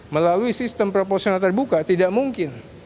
melalui sistem proposional terbuka tidak mungkin